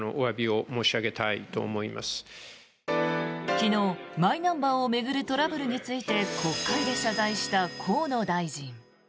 昨日、マイナンバーを巡るトラブルについて国会で謝罪した河野大臣。